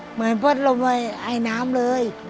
เหมือนเพราะเราไม่อายน้ำเลย